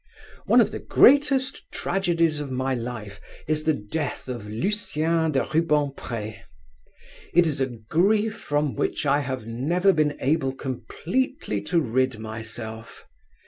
One of the greatest tragedies of my life is the death of Lucien de Rubempré. It is a grief from which I have never been able completely to rid myself.